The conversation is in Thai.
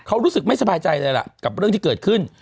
เขารู้สึกไม่สบายใจเลยล่ะกับเรื่องที่เกิดขึ้น